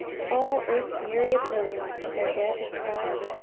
All earth's myriad millions To their dead had cried.